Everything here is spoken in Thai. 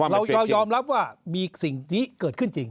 เรายอมรับว่ามีสิ่งนี้เกิดขึ้นจริง